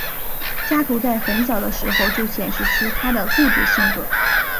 加图在很小的时候就显示出他的固执性格。